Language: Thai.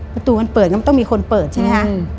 ประตูมันเปิดก็ต้องมีคนเปิดใช่ไหมคะ